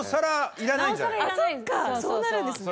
そうなるんですね。